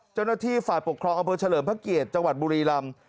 เจ้าหน้าที่ฝ่ายปกครองอำเภอเฉลิมพระเกียรติจังหวัดบุรีรำ